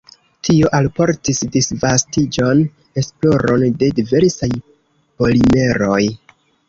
Tio alportis disvastiĝon, esploron de diversaj polimeroj.